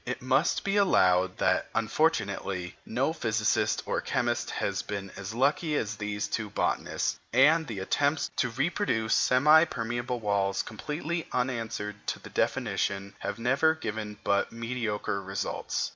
It must be allowed that, unfortunately, no physicist or chemist has been as lucky as these two botanists; and the attempts to reproduce semi permeable walls completely answering to the definition, have never given but mediocre results.